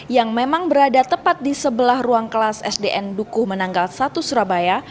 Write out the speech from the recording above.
yang memang berada tepat di sebelah ruang kelas sdn dukuh menanggal satu surabaya